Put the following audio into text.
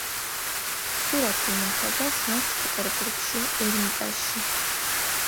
სურათი ინახება სანქტ-პეტერბურგში, ერმიტაჟში.